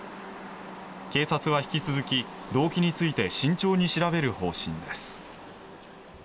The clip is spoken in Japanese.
警察は引き続き動機について慎重に調べる方針です。